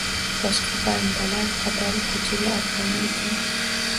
Boshqa bandalar qatori ko’chaga otlanar ekan